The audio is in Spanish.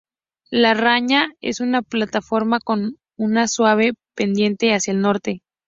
La raña es una plataforma con una suave pendiente hacia el norte.